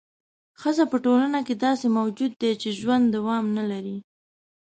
ښځه په ټولنه کې داسې موجود دی چې ژوند دوام نه لري.